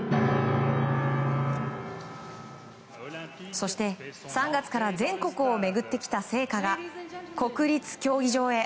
そして３月から全国を巡ってきた聖火が国立競技場へ。